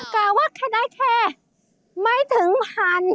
กล่าวว่าแค่ได้แค่ไม่ถึงพัน